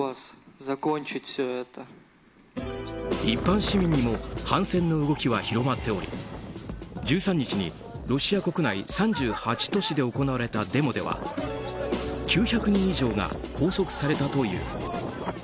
一般市民にも反戦の動きは広まっており１３日にロシア国内３８都市で行われたデモでは９００人以上が拘束されたという。